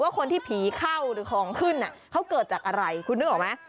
คนที่ผีเข้าหรือของขึ้นเขาเกิดจากอะไรคุณนึกออกไหม